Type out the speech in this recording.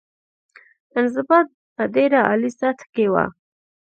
انضباط په ډېره عالي سطح کې وه.